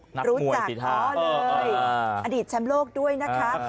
นักมวยศรีทาอดีตชมโลกด้วยนะคะ